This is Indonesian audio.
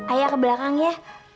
ayah ke belakang ya